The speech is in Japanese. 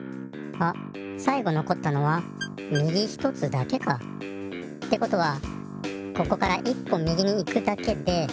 あっさい後のこったのはみぎ一つだけか。ってことはここから一歩みぎに行くだけで。